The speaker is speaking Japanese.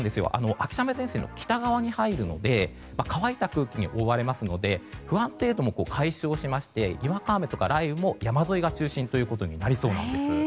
秋雨前線の北側に入るので乾いた空気に覆われますので不安定度も解消しましてにわか雨とか雷雨も、山沿いが中心となりそうなんです。